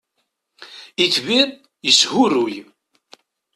Itbir yeshuruy.